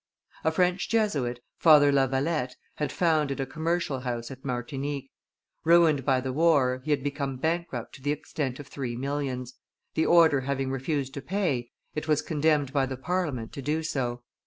A French Jesuit, Father Lavalette, had founded a commercial house at Martinique. Ruined by the war, he had become bankrupt to the extent of three millions; the order having refused to pay, it was condemned by the Parliament to do so.